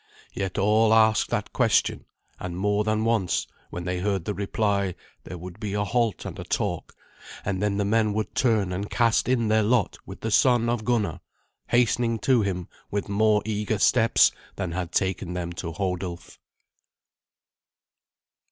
Yet all asked that question; and more than once, when they heard the reply, there would be a halt and a talk, and then the men would turn and cast in their lot with the son of Gunnar, hastening to him with more eager steps than had taken them to Hodulf.